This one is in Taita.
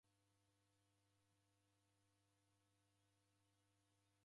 Sharia refwana righaluso.